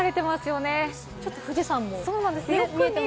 ちょっと富士山も。